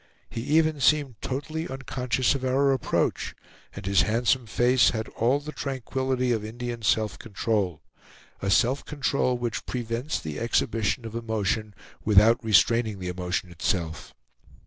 He even seemed totally unconscious of our approach, and his handsome face had all the tranquillity of Indian self control; a self control which prevents the exhibition of emotion, without restraining the emotion itself.